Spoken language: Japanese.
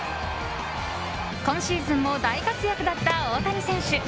今シーズンも大活躍だった大谷選手。